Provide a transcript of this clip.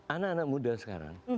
anak anak muda sekarang